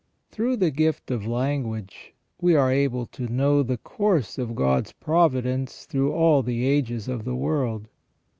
Through the gift of language we are able to know the course of God's providence through all the ages of the world.